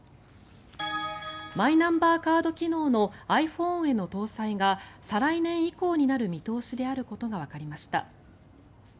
マイナンバーカード機能のｉＰｈｏｎｅへの搭載が再来年以降になる見通しであることがわかりました。